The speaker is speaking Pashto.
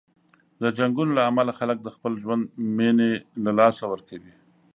د جنګونو له امله خلک د خپل ژوند مینې له لاسه ورکوي.